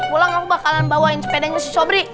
pulang aku bakalan bawain sepedanya si cobrik